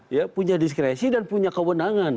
ya punya diskresi dan punya kewenangan